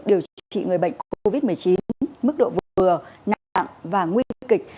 điều trị người bệnh covid một mươi chín mức độ vừa nặng và nguy cơ kịch